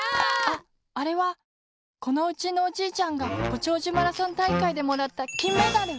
ああれはこのうちのおじいちゃんがごちょうじゅマラソンたいかいでもらったきんメダル！